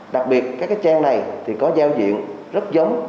đặc biệt các trang này thì có giao diện rất giống